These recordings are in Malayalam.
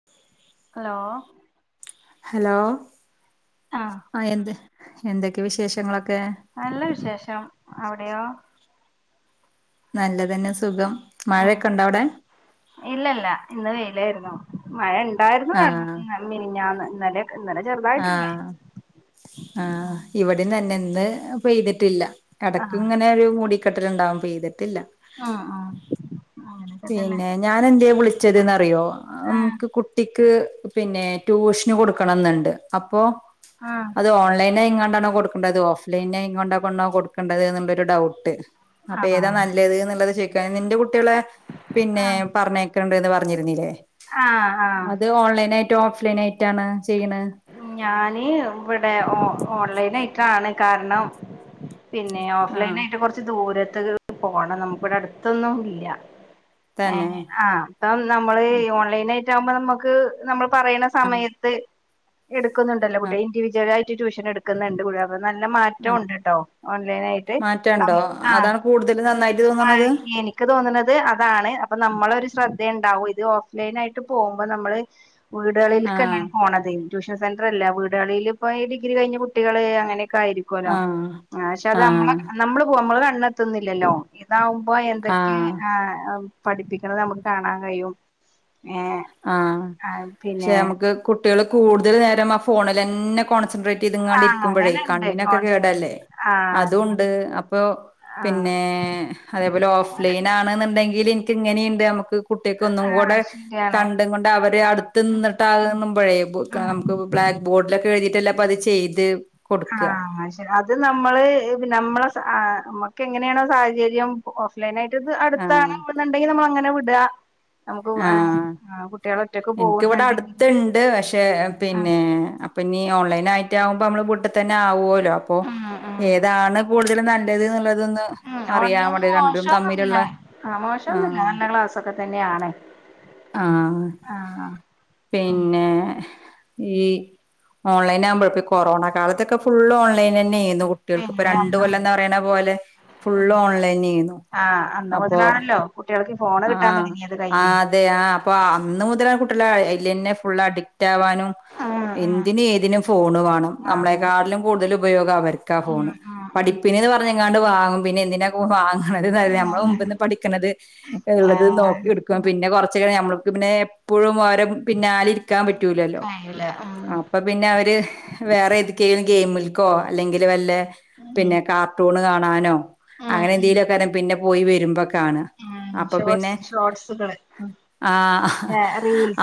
[inaudible] ഹലോ ഹലോ ആഹ് ആ എന്ത് എന്തൊക്കെ വിശേഷങ്ങളൊക്കെ നല്ല വിശേഷം അവിടെയോ? നല്ലതന്നെ സുഖം ആഹ് മഴയൊക്കെ ഉണ്ടോ അവ്ടെ ഇല്ലല്ല ഇന്ന് വെയിലായിരുന്നു മഴ ഇണ്ടായിരുന്നു വ ആഹ് മിനിഞ്ഞാന്ന് ഇന്നലെ ഇന്നലെ ചെറുത ആ ആ ഇവടിം തന്നെ ഇന്ന് പെയ്തിട്ടില്ല എടയ്ക്ക് ആഹ് ഇങ്ങനെ ഒരു മുടിക്കെട്ടല് ണ്ടാവും പെയ്തിട്ടില്ല ആഹ് ആഹ് അങ്ങനെയൊക്കെ തന്നെ പിന്നെ ഞാൻ എന്തേ വിളിച്ചതെന്ന് അറിയോ ആഹ് നമക്ക് കുട്ടിക്ക് പിന്നെ ട്യൂഷന് കൊടുക്കണന്നുണ്ട് അപ്പോ ആഹ് അത് ഓൺലൈനായ്ങ്ങാണ്ടാണോ കൊടുക്ക്ണ്ടത് ഓഫ് ലൈനായ്ങ്ങോണ്ടാണോ കൊടുക്കേണ്ടത് എന്നുള്ളൊരു ഡൗട്ട് അപ്പൊ ഏതാ ആഹ് നല്ലത് എന്നുള്ളത് ചോയ്ക്ക നിന്റെ കുട്ടികളെ പിന്നെ ആഹ് പർഞ്ഞയ് ക്കാണ്ട് ന്ന് പർഞ്ഞിരുന്നില്ലേ ആഹ് ആഹ് അത് ഓൺലൈൻ ആയിട്ടോ ഓഫ് ലൈൻ ആയിട്ടാണ് ചെയ്യണ ഞാന് വ്ടെ ഓ ഓൺലൈനായ്ട്ടാണ് കാര്ണം പിന്നെ ഓഫ് ആ ലൈനായിട്ട് കൊർച്ച് ദൂരത്ത്ക്ക് പോണം നമുക്ക് വ്ടെ അടുത്തൊന്നും ഇല്ല ഏ തന്നെ ആ അപ്പം നമ്മള് ഓൺലൈൻ ആയിട്ട് ആകുമ്പോ നമുക്ക് നമ്മൾ പറയണ സമയ ട്ട് എടുക്കുന്നുണ്ടല്ലോ ആ കുട്ടിക ഇൻഡവിജ്വൽ ആയിട്ട് ട്യൂഷൻ എടുക്കുന്നുണ്ട് കു ഇപ്പ നല്ല ആ മാറ്റവുണ്ട് ട്ടോ ഓൺലൈനായിട്ട് മാറ്റണ്ടോ നമ്മ് ആ അതാണ് കൂടുതൽ നന്നായിട്ട് ആഹ് തോന്നണത് എനിക് ക്ക് തോന്ന്ണത് അതാണ് അപ്പൊ നമ്മളൊരു ശ്രദ്ധയുണ്ടാവും. ഇത് ഓഫ്‌ലൈൻ ആയിട്ട് പോകുമ്പം നമ്മള് ആ വീടുകളിൽക്കെന്നേണ് പോണതേ. ട്യൂഷൻ സെൻ്ററല്ല. വീടുകളിൽ ഇപ്പ ഡിഗ്രി കഴിഞ്ഞ കുട്ടികള് അങ്ങനെയൊക്കെ ആയിരി ക്കോലോ ആ ആഹ് പക്ഷെ അത് ആ നമ്മളെ നമ്മള് പോവാ നമ്മള് കണ്ണെത്തുന്നില്ലല്ലോ ഇതാവുമ്പോ എന്തൊക്കെ. ആ ആഹ് അം പഠിപ്പിക്ക്ണത് നമ്മക്ക് കാണാൻ കയ്യും ഏഹ്. ആഹ്. പക്ഷെ നമുക്ക് കുട്ടികള് കൂടുതൽ നേരം ആ ഫോണിലെന്നെ കോൺസെൻട്രേ റ്റ് ആ ചെയ്ത്ങ്ങാണ്ടിരിക്കുമ്പഴേ അങ്ങനെണ്ട് കണ്ണിനൊക്കെ കോൺസൺ കേടല്ലേ. ആ അതുണ്ട്. അപ്പൊ, ആ പിന്നെ അതേപോലെ ഓഫ്‌ലൈൻ ആണ്ന്ന് ണ്ടെങ്കിലി റ്റിങ്ങനീണ്ട് നമുക്ക് കുട്ട്യേക്ക് ഒന്നും ആ കൂടെ, ശരിയാണ് കണ്ടും കൊണ്ട് അവര് അടുത്ത് ഉം നിന്നിട്ടാകുന്ന്മ്പഴേ ബ് ക ഉം നമുക്ക് ബ്ലാ ക്ബോർഡിലൊക്കെ എഴുതിയിട്ടല്ലേ അപ്പ അത് ചെയ്ത് കൊടുക്ക ആഹ് അത്ശര്യാ. അത് നമ്മള് പിന്നെ നമ്മളെ സാ നമ്മക്ക് എങ്ങനേണോ സാഹചര്യം ഓഫ് ലൈനായിട്ട് ത് ആഹ് അടുത്താണ് ന്ന്ണ്ടെങ്കി നമ്മൾ അങ്ങനെ വിടാ. ആഹ് ഇൻക്കിവിടെ പോകുന്നുണ്ടെങ്കിൽ അടുത്ത്ണ്ട്. പക്ഷെ ആ പിന്നെ അ പ്പ ഇനി ഓൺലൈനായിട്ട് ആകുമ്പ നമ്മള് വീട്ട് തന്നെ ആവ്വോല്ലോ. അപ്പൊ ഉം ഉം ഏതാണ് കൂടുതലും ന നല്ലത് ന്ന്ള്ളതൊന്ന് ഉം ഓൺലൈന് മോശൊന്നുല്ല. ആഹ് മോശൊന്നുല്ല ആഹ് നല്ല ക്ലാസ്സൊക്കെ തന്നെയാണ്. ആഹ് ആ പിന്നെ ഈ ഓൺലൈനാകുമ്പഴേ ഇപ്പോ കൊറോണ കാലത്തൊക്കെ ഫുള്ള് ഓൺ ലൈനെന്നേന്നു കുട്ടിയേൾക്ക്. ഇപ്പ പിന്നെ രണ്ട് കൊല്ലം ഒന്നും ന്ന് പറയ്ണ പോലെ ഫുള്ള് ഓൺലൈനേന്നു. ആഹ് അന്ന് മുതലാണല്ലോ കുട്ടികൾക്ക് ഈ ഫോണ് കിട്ടാൻ ആഹ് തുടങ്ങിയത് ആ കയ്യില്. അതെ ആഹ് അപ്പൊ അന്ന് മുതലാണ് കുട്ടികള് അ അയ്‌ലന്നെ ഫുള്ളഡിക്റ്റാവാനും ആഹ് എന്തിനും ഏതിനും ഫോണ് വാണം. നമ്മളെക്കാട്ട്ലും കൂടുതല് ഉപയോഗം അവര് ക്കാ ഫോണ്. ഉം ഉം പഠിപ്പിന് ന്ന് പർഞ്ങ്ങാണ്ട് വാങ്ങും. പിന്നെ എന്തിനാ ഫോം വാങ്ണത് ന്നറീല. ഉം ഞമ്മളെ നല്ലേ മുമ്പ്ന്ന് പഠിക്ക്ണത് ഇള്ളത് നോക്കിട്ക്കും. ആഹ് പി ന്നെ കൊറ്ച്ച് കഴിഞ് ഞമ്മൾക്ക് പിന്നെ എപ്പഴും ഓരെ പിന്നാലെ ഇര്ക്കാൻ പറ്റൂലല്ലോ. കയ്യില് ഉം അപ്പം പിന്നെ അവര് വേറെ ഏത്ക്കേലും ഗെയിമിൽക്കോ അല്ലെങ്കില് വല്ല ഉം പിന്നെ കാർട്ടൂണ് കാണാനോ ഉം അങ്ങനെന്തെലൊക്കാരം പിന്നെ പോയി വരുമ്പ കാണാ. ആഹ് അപ്പൊ പിന്നെ ഷോട്സ് ഷോർട്സുകള് ഉം. ആഹ്.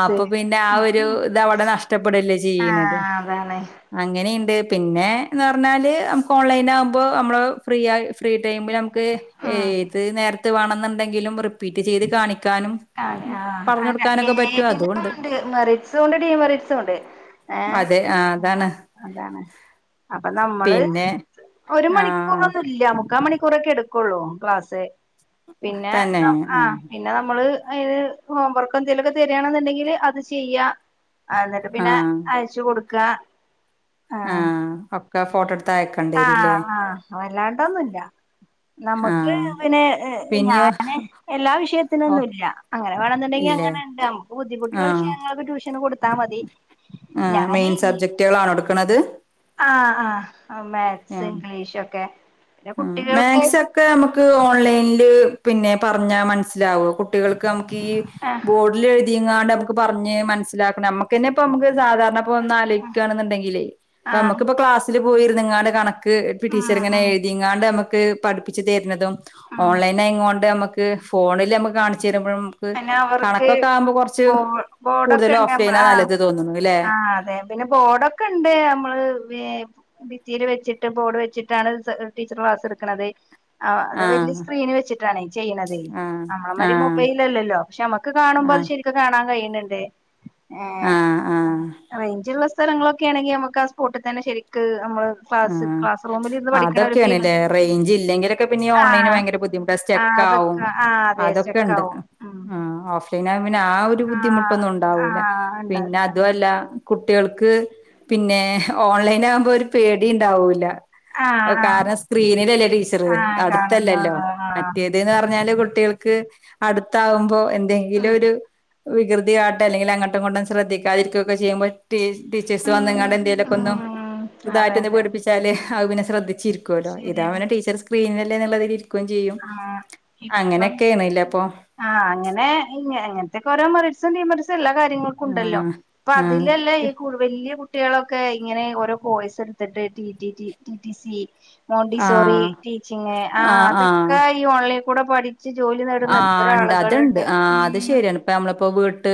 അപ്പൊ പിന്നെ ആ ഒരു ത് അവടെ നഷ്ടപ്പെടല്ലേ ചെയ്യ്ണത്. ആഹ് അതാണ് അങ്ങനിണ്ട്. പിന്നെ ന്നർണാല് നമ്ക്ക് ഓൺലൈനാവ്മ്പോ നമ്മള് ഫ്രീയായി ഫ്രീ ടൈമില് നമ്ക്ക് ഉം ഏത് നേരത്ത് വാണം ന്ന് ണ്ടെങ്കിലും റിപ്പീറ്റ് ചെയ്ത് കാണിക്കാനും, ആണ് ആഹ് പറഞ്ഞു കൊടുക്കാനൊക്കെ അതെന്നെ. പറ്റും അതുണ്ട് ഏതിനുണ്ട് മെറിറ്റ്സുംണ്ട് ഡിമെറിറ്റ്സുംണ്ട്. ഏഹ് അതെ ആ ആഹ് അതാണ് അതാണ്. അപ്പ നമ്മള് പിന്നെ ഒരു ആഹ് മണിക്കൂറൊന്നു ല്ല്യ മുക്കാമണിക്കൂറോക്കെ എടുക്കൊള്ളൂ ക്ലാസ്. പിന്നെ തന്നെ ന ആഹ് പിന്നെ നമ്മള് അയ്‌ന്ന് ഹോം വർക്ക് എന്തെലൊക്കെ തെരാണ്ന്ന്ണ്ടെങ്കിൽ അത് ചെയ്യാ, ആഹ് ന്നട്ട് പിന്നെ ആഹ് അയച്ച് കൊടുക്കാ. ആഹ് ഒക്ക ഫോട്ടോട് ആഹ് ആഹ് വല്ലാണ്ടൊന്നുല്ല. നമ്ക്ക് ആഹ് പിന്നെ എഹ് പിന്നെയോ ഞാന് എല്ലാ ഓ വിഷയത്തിനൊന്നുല്ല. അങ്ങനെ വേണംന്ന് ഇണ്ടെങ്കി ഇല്ലേ അങ്ങനെണ്ട്. നമ്മക്ക് ബുദ്ധിമുട്ട്ള്ള ആഹ് വിഷയങ്ങൾക്ക് ട്യൂഷന് കൊടുത്താ മതി. ആഹ് മെയിൻ സബ്ജക്റ്റ്കളാണോ ഇട്ക്ക്ണത്? ആഹ് ആഹ് മാത്സ് ഇംഗ്ലീഷൊക്കെ. മ് മാക്സക്കെ ഞമക്ക് ഓൺലൈൻല് പിന്നെ പറഞ്ഞാ മനസ്സിലാവോ? കുട്ടികൾക്ക് നമുക്കീ ആ ബോ ഡ്ലെയ്‌തിങ്ങാണ്ട് അമ്മക്ക് പർഞ് മനസിലാക്കണ അമ്മക്കാന്നെപ്പ അമ്മക്ക് സാധാരണ ഒന്നാലോയ്ക്കാണ്ടെങ്കിലേ ആ പ്പ അമ്മക്പ്പ ക്ലാസ്സില് പോയിര്ന്ന്ങ്ങാണ്ട് കണക്ക് ഉം ടീച്ചറ്ങ്ങനെ ഉം എ ണ്ട്അമ്മക്ക് പഠിപ്പിച്ച് തര്ണതും ഉം ഓൺലൈനായിങ്ങോണ്ട് അമ്മ ക്ക് ഫോണിലഅമ്മക്ക് കാണിച്ച് തരുമ്പഴും. പ്പ് പിന്നെ അവർക്ക് കണക്കൊക്കെ ആവുമ്പോ കുറച്ച് ബോ ബോർഡൊക്കെ കൂടുതല് ഉണ്ട് നമ്മള് ഓഫ്ലൈനാ ആ നല്ലത് തോന്നുന്നുല്ലെ? ആഹ് അതെ പിന്നെ ബോഡൊക്കണ്ട് അമ്മള് വേ ഭിത്തീല് വെച്ചിട്ട് ബോഡ് വെച്ചിട്ടാണ് ടീച്ചർ ക്ലാസ്ട്ക്ക്ണത്. ആഹ് അത് വല്ല്യ സ്ക്രീന് വെച്ചിട്ടാണ് ചെയ്യ്ണത് ആഹ് അമ്മളമായ്‌രി ആഹ് മുബൈ ല്ലല്ലല്ലോ പക്ഷെ അമ്മക്ക് കാണുമ്പോ അത് ആഹ് ശരിക്ക് കാണകയ്യ്ണ് ണ്ട്. ഏഹ് ആഹ് ആഹ് റേഞ്ച്ള്ള സ്ഥലങ്ങളൊക്കെണെങ്കി അമ്മക്ക് ആ സ്പോട്ട് തന്നെ ശരിക്ക് അമ്മള് ആഹ് അതൊക്കെണ്ല്ലേ റേഞ്ച്ല്ലെങ്കിലൊക്കെ പിന്നെ ഓൺലൈന് ആഹ് ഭയങ്കര ബുദ്ധിമുട്ട ആഹ് സ്റ്റക്കാവും അതൊക്കെ ആഹ് അതെ അതൊക്കെണ്ട് സ്റ്റെക്കാവും ഉം ആഹ് ഓഫ്ലൈനാവുമ്പോൾ പിന്നെ ആ ഒരു ആഹ് ബുദ്ധിമുട്ടൊന്നും ഉണ്ടാവൂല. ആഹ് പിന്നെ ഉണ്ടാവില്ല അതുല്ല കുട്ടികൾക്ക് പിന്നെ ഓൺലൈനാവ്മ്പോ ഒരു പേടിഉണ്ടാവൂല്ല. അഹ് ആഹ് ആഹ് കാര്ണം സ്ക്രീനിലല്ലേ ടീച്ചറ് ആഹ് അടുത്തല്ലല്ലോ. കാണുന്നുള്ളൂ ആഹ് മറ്റേത് ന്നർഞ്ഞാല് കുട്ടികൾക്ക് അടുത്താവുമ്പോ എന്തെങ്കിലും ഒരു വികൃതി കാട്ടെ അല്ലെങ്കില് അങ്ങോട്ടുങ്ങോട്ടും ശ്രദ്ധിക്കാതിരിക്കക്കെ ചെയ്യുമ്പോൾ ടീ ടീച്ചേഴ്സ് ഉം വന്ന്ങ്ങാണ്ട് എന്തേലൊക്കെ ഒന്നു ഉം അതെ ർതായിറ്റൊന്ന് അതെ പേട്പ്പിച്ചാല് അഹ്പിന്നെ ശ്രദ്ധിച്ചിര്ക്കല്ലോ ഇതാവുമ്പോ ശരിയാണ് പിന്നെ ടീച്ചറ് സ്ക്രീനല്ലേന്ന്ള്ളതില് ഇ ക്കും ചെയ്യും ആഹ് ഇപ്പം അങ്ങനൊക്കെണ്ലേ പ്പം. ആഹ് അങ്ങനെ ഇങ് ഇങ്ങൻതൊക്കെ ഓരോ മറിട്സും ഡീമറിട്സും എല്ലാ കാര്യങ്ങൾക്കുണ്ടല്ലോ. ആഹ് പ്പ ആഹ് അതിലല്ലേ ഈ കു വല്ല്യ കുട്ട്യാളൊക്കെ ഇങ്ങനെ ഓരോ കോഴ്സ്ട്ത്ത്ട്ട് T T T T T C മോണ്ടി സോറി ആഹ് ടീച്ചിങ് ആഹ് അതൊക്കെ ഈ ഓൺലൈകൂടെ പഠ ച്ച് ജോലി നേടുന്ന എത്ര ആളുകളുണ്ട്. ഉം പ്പ അമ്മള്പ്പോ വീട്ട്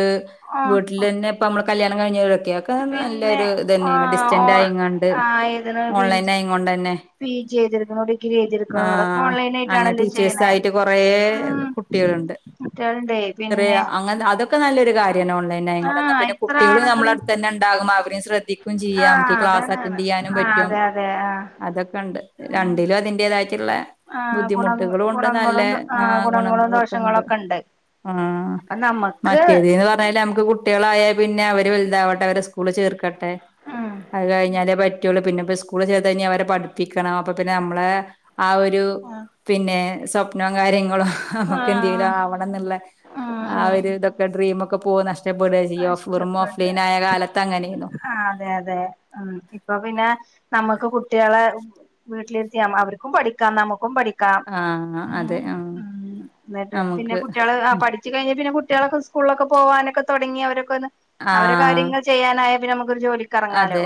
ആഹ് വീട്ട്ലന്നെപ്പ അമ്മള് കല്യാണം കഴിഞ്ഞോലൊക്കേ ഇപ്പ പിന്നെ നല്ലൊരു ഇതന്നേണ്. ആഹ് ഡിസ്റ്റന്റ് ഓൺ ആയിങ്ങാണ്ട്, ആഹ് ഇതിന് പി ഓൺലൈൻ ജി ആയിങ്ങൂണ്ടന്നെ പി ജി ചെയ്തിരിക്കണു ഡിഗ്രി ചെയ്തിരിക്കണു അതൊക്കെ ആഹ്, ഓൺലൈൻ അങ്ങനെ ആയിട്ടാണല്ലോ ചെയ്യണേ ടീച്ചേഴസായിട്ട് കൊറേ ഉം കു കുട്ടികള്ണ്ട്. കുട്ടികളുണ്ടേ റേ പിന്നെ അങ്ങൻ അതൊക്കെ നല്ലൊരു കാര്യന്നെ ഓൺലൈൻ ആ ണ്ടായകൊണ്ട, ന്നാ പ്പിന്നെ ഇത്ര കുട്ടികളും ആളുകള് നമ്മെളെട്ത്തന്നെ ണ്ടാകും. അവരിം ശ്രദ്ധിക്കും ചെയ്യ ആ നമക്ക് ഈ ക്ലാസ് അതാണ് അറ്റൻറ് ചെയ്യാനും ആ പറ്റും. അതെ അതെ ആ അതൊക്കെണ്ട്. രണ്ടിലും അതിൻ്റെതായിട്ടുള്ള ആ ഗുണ ബുദ്ധിമുട്ടുകളൂണ്ട് നല്ല ഗുണങ്ങളും ആ ഗുണങ്ങളും ദോഷങ്ങളും ഗുണങ്ങളൊക്കെണ്ട്, ഒക്കെ ഉണ്ട് ആ അപ്പൊ നമ്മക്ക് മറ്റേത് ന്ന് പറഞ്ഞാല് നമ്മ്ക്ക് കു കുട്ടികളായാൽ പിന്നെ അവര് വലുതാവട്ടെ, അവരെ സ്കൂള് ചേർക്കട്ടെ, ഉം അത് കഴിഞ്ഞാലെ പ പറ്റുള്ളൂ പിന്നെ സ്കൂളിൽ ചേർത്താ പിന്നെ അവരെ പഠിപ്പിക്കണം, അപ്പൊ പിന്നെ നമ്മളെ ആ ഒരു ആഹ പിന്നെ സ്വപ്നോം കാര്യങ്ങളോ ആഹാ നമുക്ക് എന്തെങ്കിലും ആവണം. ആന്ന്ളെള ഉം ആ ഉം ഒരു ഇതൊക്കെ ഡ്രീമൊക്കെ പോകു നഷ്ട നഷ്ടപ്പെട ചെയ്യ, ഓഫ് വെറും ഇഷ്ടപ്പെട്ട് ഓഫ്‌ലൈൻ ആയ കാലത്ത് അങ്ങനെയിരുന്നു. ആ അതെ അതെ ഇപ്പൊ പിന്നെ നമുക്ക് കുട്ടികളെ വീട്ടിലിരുത്തിയാ അവർക്കും പഠിക്കാ നമക്കും പഠി കാ, ആഹ് അതെ ആഹ് ന്നട്ട് പിന്നെ നമുക്ക് കുട്ടികള് അ പഠി ച്ച് കഴിഞ്ഞാൽ പിന്നെ കുട്ടികളൊക്ക സ്കൂളൊക്കെ പോകാനൊക്കെ തൊടങ്ങി അവരൊക്കൊന്ന് അവരെ ആഹ് കാര്യങ്ങൾ ചെയ്യാനായ പിന്നെ നമുക്കൊരു ജോലിക്ക് ഇറങ്ങാലോ? അതെ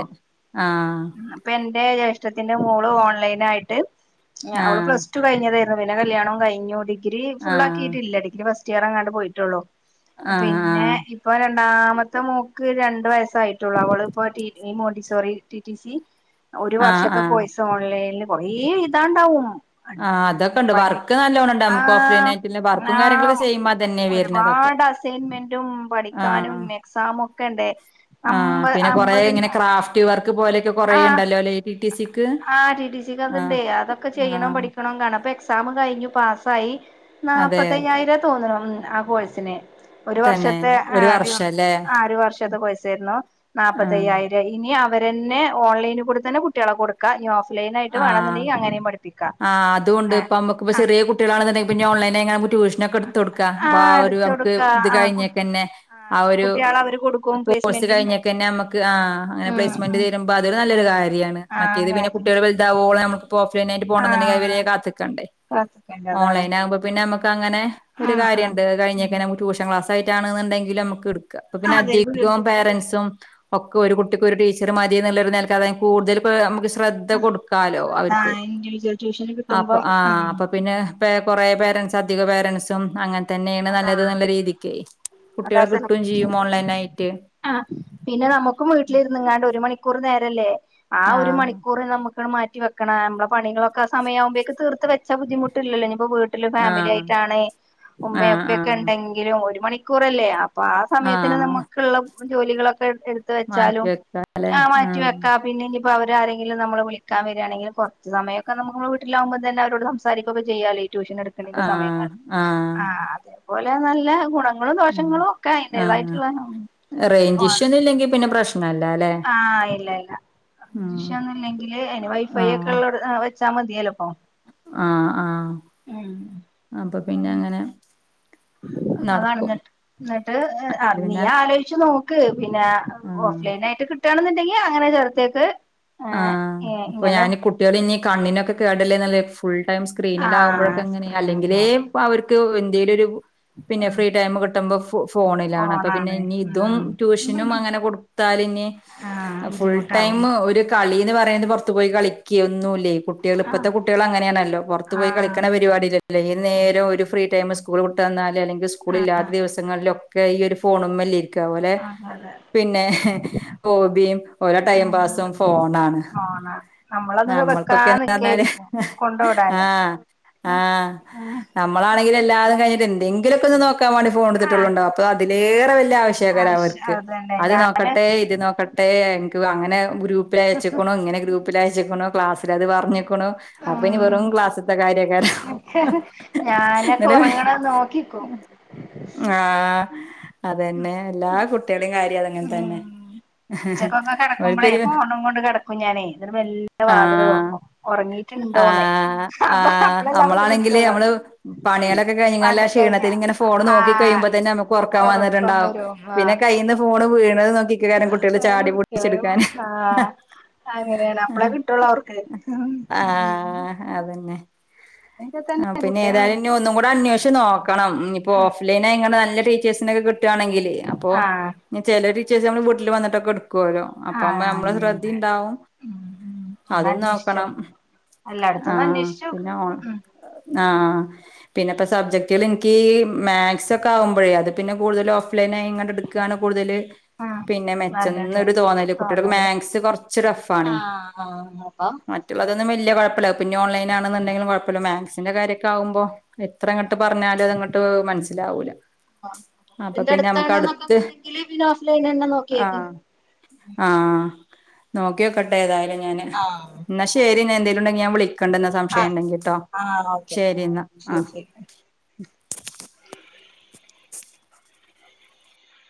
ആഹ് ഇപ്പ എന്റെ ജ്യേഷ്ഠത്തിന്റെ മോള് ഓൺലൈനായിട്ട് അവള് ആഹ് പ്ലസ് റ്റു കഴിഞ്ഞതേയിരുന്നു. പിന്നെ കല്യാണവും കഴിഞ്ഞു. ഡിഗ്രി ഫുൾ ആഹ് ആകിയിട്ടില്ല. ഡിഗ്രി ഫസ്റ്റ് ഇയർ അങ്ങാണ്ട് പോയിട്ടൊള്ളു. ആഹ് ആഹ് പിന്നെ ആഹ് ഇപ്പൊ രണ്ടാമത്തെ മോക്ക് രണ്ടു വയസ്സായിറ്റൊള്ളൂ. അവള് ഇപ്പോ മോണ്ടിസോറി ടിടി സി ഉ ഉം ഒരു വർഷത്തെ കോഴ്സ് ഓൺലൈൻല്. കൊറേ എയ്താണ്ടാവും. ആഹ് പടി അതൊക്കെണ്ട് പടി വർക്ക് നല്ലോണണ്ട് ആ നമുക്ക് ഓഫ് ലൈൻ ആയിട്ടുള്ള വർക്കും ആ കാര്യങ്ങളൊക്കെ ചെയ്യുമ്പോ അതന്നെ വരുന്നതൊക്കെ ഒരുപാട് അസ് അസൈൻമെന്റും പഠിക്കാനും ആഹ് എക്സാമൊക്കെണ്ട്. ആഹ് അമ്പ പിന്നെ കൊറേ ഇങ്ങനെ അമ്പതിനാ ക്രാഫ്റ്റ് വർക്ക് പോലൊക്കെ ആ ആ ടി ടി സി ക്ക്ണ്ട്. ആഹ് അതൊക്കെ ചെയ്യണം ആഹ് പഠിക്ക ആണ് എക്സാം കഴിഞ്ഞു. പാസായി അതെ നാപ്പത്തയ്യായിര തോന്നണും ആ കോഴ്സിന് ഒരു തന്നെ വർഷത്തെ ആ ഒരു വർഷല്ലേ ആ ഒരു വർഷത്തെ കോഴ്സ് ഏരുന്നു. ആഹ് നാപ്പത്തയ്യായിരം ഇനി അവരന്നെ ഓൺലൈനൽക്കൂടെ തന്നെ കുട്ട്യേളെ കൊടു ക്ക ഓഫലൈനായിട്ട് ആഹ് വേണെന്ന്ണ്ടെങ്കി അങ്ങനിം പഠപ്പിക്കാ ആഹ് അതൂണ്ട്. ഇപ്പ നമുക്ക് ഇപ്പ ചെറ്യേ കുട്ട്യേളാണ്ന്ന്ണ്ടെങ്കി ഇനിപ്പ ഓൺലൈനായികാണ്ട് അമ്മക്ക് റ്റൂ നക്കെട്ത്തൊട്ക്ക. ആ ആഹ് ഒരു എടുത്ത് നമുക്ക് കൊടുക്കാ ഇത് ആഹ് കഴിഞ്ഞേക്കന്നെ ആഹ് ആ അതെ ഒരു കുട്ടികളെ അവര് കൊടുക്കും കോഴ്സ് പ്ലേസ്മെന്റ് ഉണ്ട് കഴിഞ്ഞേക്കെന്നെ അമ്മക്ക് ആ അങ്ങനെ ഉം പ്ലേസ്മെന്റ് ഉം തരുമ്പൊ അതൊരു നല്ലൊരു ഉം കാര്യാണ്. ആഹ് മറ്റേത് പിന്നെ കാര്യം കുട്ട്യെൾ ഇതാവോള നമ്മുക്ക് ഇപ്പ ഓഫ്ലൈനായിട്ട് പോണന്ന്ണ്ടെങ്കി അത് ആഹ് വരെ കാത്ത്ക്കണ്ടെ. ക്ലാസിക്കലിന്റെ അതാണ് ഓൺലൈൻ ആകുമ്പപിന്നമ്മക്ക് ക്കങ്ങനെ ഒരു ആഹ് ആഹ് കാര്യണ്ട്. അത് ഉം കഴിഞ്ഞേക്കെന്നെ നമ്മക് ടൂഷൻ ക്ലാസ്സയിട്ടായിട്ടാണ്ന്ന്ണ്ടെങ്കില് നമുക്ക് ഇടുക്കാ പിന്നെ അതെ അധികും പേരൻറ്സും ഒക്കൊ ഒരു കുട്ടിക്ക് ഒരു ടീച്ചർ മതിന്ന്ള്ളൊരു നൽക അത കൂടുതല് നമുക്ക് ശ്രദ്ധ കൊടുക്കാലോ അവർക്ക് ഇൻഡിജ്യേഷൻ ആ അപ്പൊ പിന്നെ കൊറേ പേരൻറ്സ് അധിക പേരൻസും അങ്ങൻ തന്നേണ് അതാ നല്ലത് നല്ല രീതിക്കെ. കുട്ട്യേളെ കിട്ടും ചെയ്യും ഓൺലൈൻ ആയിട്ട് ആ പിന്നെ നമുക്കും വീട്ടിലിരുന്ന്ങ്ങാണ്ട് ഒരു മണിക്കൂർ നേരല്ലെ. ആ ഒരു ആഹ് മണിക്കൂറ് നമു മാറ്റിവെണം. ആ നമ്മളെ പണികളൊക്കെ ആ സമയയാവുമ്പേക്ക് തീർത്ത് വെച്ചാ ബുദ്ധിമുട്ടില്ലല്ലൊ ഇഞ്പ്പോ വീ ലു ഫാമിലി ആഹ് ആയിട്ടാണ് ഉമ്മെ ആഹ് ഉപ്പ്യെക്കെ ആഹ് ഇണ്ടെങ്കിലും ഒരു മണിക്കൂറല്ലെ അപ്പൊ ആ സമയത്തിന് ആഹ് നമുക്കുള്ള ജോലികളൊക്കെ എടുത്ത് മാറ്റി വെച്ചാലും വെക്കാല്ലേ ആ മാറ്റി ആഹ് വെക്കാ പിന്നെ ഇഞ്പ്പം അവരെ ആരെങ്കിലും നമ്മളെ വിളിക്കാം വരാണെങ്കിലും കൊറച്ച് സമയൊക്കെ നമ്മൾ വീട്ടിലാകുമ്പ തന്നെ അവരോട് സംസാ രിക്കൊക്ക ചെയ്യാലൊ ഈ ട്യൂഷൻ എടു ആഹ് ആഹ ആ അതേപോലെ നല്ല ഗുണം ഉം ആ റേയ്ഞ്ച് ഇഷ്യുന്നും ഇല്ലെങ്കി പിന്നെ പ്രശ്നം ഇല്ലാലെ. ആ ഇല്ല ഇല്ല. അ [unintelligible] വിഷയൊന്നുമില്ലെങ്കില് അതിന് വൈഫൈ ഒക്കെ ഇള്ളൊ [unintelligible] വെച്ചാ മതിയല്ലൊ ഇപ്പം ആ ആ അപ്പ പിന്നെ അങ്ങനെ അതാണ് നടക്കും ഇന്നട്ട്. ഇന്നട്ട് അല്ലെങ്കി നീ പിന്നെ ആലോജിച്ച് നോക്ക് പിന്നെ. ആഹ് ഓഫ് ലൈനായിട്ട് കിട്ടാണ്ന്നുണ്ടെങ്കി അങ്ങനെ ചേർത്തേക്ക്. ആ അപ്പൊ ഇങ്ങനെ ഞാന് കുട്ട്യേള് ഇഞ് കണ്ണിനൊക്കെ കേടല്ലേ ഫുൾ ടൈം ആഹ് സ്ക്രീനിലാകുമ്പോഴൊക്കെ ഇങ്ങനെ. സ്ക്രീനില്ല അല്ലെങ്കിലേ അവർക്ക് എന്തെലൊരു പിന്നെ ഉം ഫ്രീ ടൈം കിട്ടുമ്പം ഫോണിലാണ്. അപ്പൊ പിന്നെ ഫോണാണ് ഇനി ഇതും ട്യൂഷനും ഉം അങ്ങനെ കൊടുത്താല് ഇഞ് ആഹ് ഫുൾ ടൈം ബുദ്ധിമുട്ടാവും ഒരു കളീന്ന് പറയുന്നത് പുറത്തു പോയി കളിക്കെ ഒന്നു ഇല്ലേ. കുട്ട്യേള് ഇപ്പത്തെ ആഹ് കുട്ട്യേള് അങ്ങനേണല്ലോ. പൊറ്ത്ത് പോയി ആഹ് കിളിക്ക്ണ പരിപാടി ഇല്ലല്ലോ. അല്ല ഈ നേരം ഒരു ഫ്രീ ടൈം സ്കൂൾ വിട്ടു വന്നാലേ അല്ലെങ്കിൽ സ്കൂള് ഇല്ലാത്ത ദിവസങ്ങളിലോ ഒക്കെ ഈ ഒരു ഫോണുമല്ലെ ഇരി ക്ക്, അതു പോലെ അതെ അതെ പിന്നെ ഹെ ഹോബിയും ഓരോ ടൈം ഉം പാസും ഫോണാണ്. ഫോണാണ്. നമ്മളത് വെക്കാ നമ്മൾക്കൊക്കെന്ന് പറഞ്ഞാല് നിക്കേരിക്കും കൊണ്ടോടാന് ആഹ് ആഹ് നമ്മളാണെങ്കിൽ എല്ലാതും കഴഞ്ഞിട്ട് എന്തങ്കിലൊക്കെ ഒന്ന് നോക്കാൻ വേണ്ടി ഫോൺ എടുത്തിട്ടേ ആഹ് ഉണ്ടാവൊള്ളു അപ്പോ അതിലേറെ വലിയ ആവശ്യം ആയിരിക്കും ആശ് അവർക്ക് അതന്നെ അത് ഞാൻ നോക്കട്ടെ ഇത് നോക്ക ട്ടേ ഇനിക്ക് അങ്ങനെ ഗ്രൂപ്പിലയിച്ചക്ക്ണു ഇങ്ങനെ ഗ്രൂപ്പിലയ- ച്ച്ക്ക്ണു ക്ലാസിൽ അത് പറഞ്ഞിക്ക്ണു അപ്പൊ ഇനി വെറും ക്ലാസിത്തെ കാര്യേക്കാരം, ഹ് ഹ് ഹ്, ഞാനൊക്കെ ഉറങ്ങ്ണെ നോക്കിനിക്കും. ആ അതെന്നെ എല്ലാ കുട്ടികളുടെയും കാര്യം അതങ്ങനെ തന്നെ. ഉം ഉച്ചക്കൊക്കെ കിടക്കുമ്പോളേ ഓൽക്കൊരു ഫോണും കൊണ്ട് കിടക്കും ഞാനെ ഇന്നിട്ട് വെല്ലെ ആഹ്, ആഹ്, അപ്പൊ ആഹ് അപ്പളല്ലേ അവർക്ക് നമ്മളാണെങ്കില് കിട്ടുള്ളൂ നമ്മള് പണികളൊക്കെ കഴിഞ്ഞ്ങ്ങാൻള്ള ആ പണിയൊക്കെ കഴിഞ്ഞാ ക്ഷീണത്തില് ഇങ്ങനെ ഫോണ് നോക്കി ആഹ് കഴിയുമ്പോ തന്നെ നമുക്ക് ഉറക്കം വന്നിട്ടുണ്ടാവും വരും പിന്നെ ആഹ് കയ്യീന്ന് ഫോണ് വീണത് നോക്കി നിക്കേക്കാരും കുട്ടികള് അങ്ങനെ ചാടി കുട്ടികള് പൊടിച്ചെടുക്കാന്, ഹ് ആഹ് ഹ് അങ്ങനെയാണ് അപ്പളേ കിട്ടുള്ളൂ അവർക്ക് ആഹ്, മ് ആഹ് അതന്നെ ആ തന്നെ പിന്നെ കുട്ടികള് ഏതായാലും ഇഞ്ഞ് ഒന്നും കൂടെ അന്വേഷിച്ച് നോക്ക- ക്കണം, ഇഞ്ഞ്പ്പൊ ഓഫ് ലൈനായിക്കാണ്ട് നല്ല ടീച്ചേഴ്സിനൊക്കെ കിട്ടുവാണെങ്കില് അപ്പൊ ആഹ് ഇഞ്ഞ് ചില ടീച്ചേഴ്സ് നമ്മളെ വീട്ടിൽ വന്നിട്ടൊക്കെ എടുക്കുവല്ലോ അപ്പ ആവുമ്പ ആഹ് നമ്മളെ ശ്രദ്ധയും അങ്ങനെന്നെ ഇണ്ടാവും. ഉം ഉം ഒന്ന് അതും അന്വേഷിച്ചോ നോക്കണം എല്ലായിടത്തൊന്ന് ആഹ് അന്വേഷിച്ച് നോക്ക് പിന്നെ ഓ ഉം ആഹ് പിന്നെ ഇപ്പ സബ്ജക്ടുകൾ എനിക്ക് മാത്‍സ് ഒക്കെ ആവുമ്പോഴേ അത് പിന്നെ കൂടുതല് ഓഫ് ലൈനായിങ്ങാണ്ട് എടുക്ക് ക്ക് ആണ് കൂടുതല് ഉം പിന്നെ മെച്ചം നല്ലത് എന്നൊരു തോന്നല് കുട്ടിൾക്ക് മാത് സ് കുറച്ച് ടഫ് ആണ്. ആണോ? മറ്റുള്ളതൊന്നും വിലിയ കുഴപ്പമില്ല പിന്നെ ഓൺലൈൻ ആണെന്നുണ്ടെങ്കിലും കുഴപ്പമില്ല മാത് സിന്റെ കാര്യൊക്കെ ആവുമ്പോ എത്ര അങ്ങട്ട് പറഞ്ഞാലും അതങ്ങോട്ട് മനസ്സിലാവൂല. അപ്പൊ നിന്റെ പിന്നെ നമുക്ക് അടുത്താണ് അടുത്ത് എന്നൊള്ളെന്ന് ഇണ്ടെങ്കില് പിന്നെ ഓഫ് ലൈൻ തന്നെ നോക്കിയേക്ക്. ആഹ് ആഹ്, നോക്കിയോക്കട്ടെ ഏതായാലും ഞാന്. ആഹ്. എന്നാ ശരി എന്നാ എന്തേലും ഉണ്ടെങ്കിൽ ഞാൻ വിളിക്കണ്ടെന്ന സംശയം ആഹ് ഇണ്ടെങ്കിട്ടോ ആഹ് ഓക്കെ ശരി എന്നാ ശരി ആഹ്. ശരി